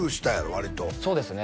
割とそうですね